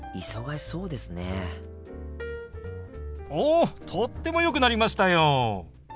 おとってもよくなりましたよ！